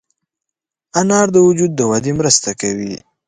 انار د وجود د ودې مرسته کوي.